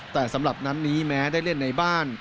แต่สำหรับนั้นนี้แม้ได้เล่นในบ้าน